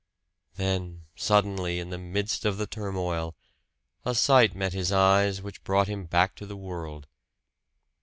Then suddenly, in the midst of the turmoil, a sight met his eyes which brought him back to the world.